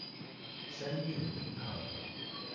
生命零和